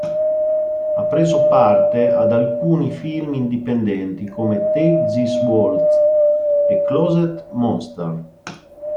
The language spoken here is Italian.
Ha preso parte ad alcuni film indipendenti, come "Take This Waltz" e "Closet Monster".